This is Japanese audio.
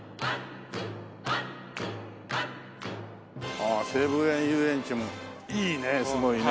ああ西武園ゆうえんちもいいねすごいね。